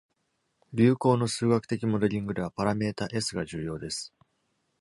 流行の数学的モデリングでは、パラメータ「S」が重要です。